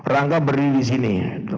rangga berdiri disini